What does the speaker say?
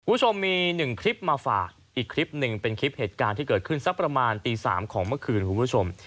คุณผู้ชมมีหนึ่งคลิปมาฝากอีกคลิปหนึ่งเป็นคลิปเหตุการณ์ที่เกิดขึ้นสักประมาณตี๓ของเมื่อคืนคุณผู้ชม